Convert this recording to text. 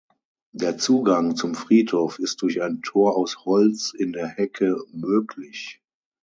Der Zugang zum Friedhof ist durch ein Tor aus Holz in der Hecke möglich.